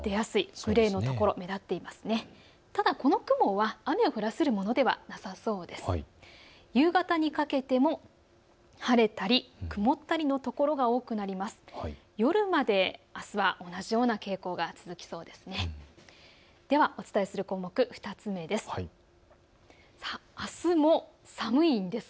夜まであすは同じような傾向が続きそうです。